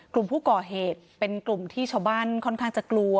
กลุ่มผู้ก่อเหตุเป็นกลุ่มที่ชาวบ้านค่อนข้างจะกลัว